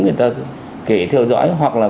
người ta kể theo dõi hoặc là